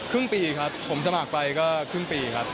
ครึ่งปีครับผมสมัครไปก็ครึ่งปีครับ